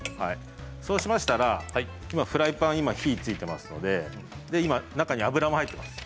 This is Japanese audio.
そうしましたらフライパン今火ついてますので今中に油も入ってます。